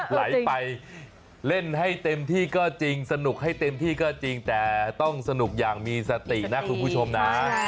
ไหลไปเล่นให้เต็มที่ก็จริงสนุกให้เต็มที่ก็จริงแต่ต้องสนุกอย่างมีสตินะคุณผู้ชมนะ